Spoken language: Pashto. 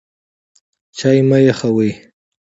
چای مه یخوئ.